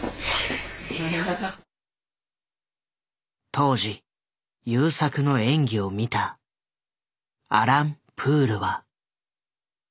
当時優作の演技を見たアラン・プールは。